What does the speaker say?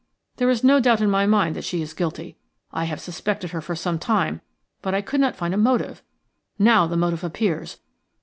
There is no doubt in my mind that she is guilty. I have suspected her for some time, but I could not find a motive. Now the motive appears.